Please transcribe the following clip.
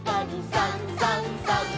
「さんさんさん」